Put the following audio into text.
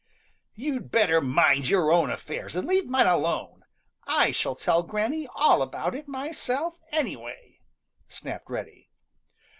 "You'd better mind your own affairs and leave mine alone. I shall tell Granny all about it myself, anyway," snapped Reddy.